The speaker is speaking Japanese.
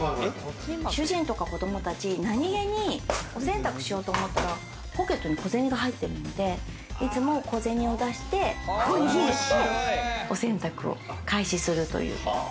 主人とか子供たち、何気にお洗濯しようと思ったらポケットに小銭が入ってるので、いつも小銭を出してここに入れてお洗濯を開始するという。